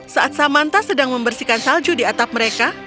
saat samanta sedang membersihkan salju di atap mereka